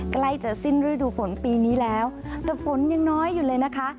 ใกล้จะสิ้นฤดูฝนปีนี้แล้วแต่ฝนยังน้อยอยู่เลยนะคะ